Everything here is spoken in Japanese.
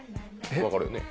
分かるよね？